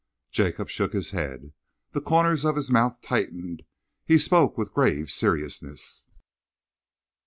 Jacob shook his head. The corners of his mouth tightened. He spoke with grave seriousness.